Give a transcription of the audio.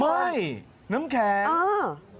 ไม่น้ำแข็ง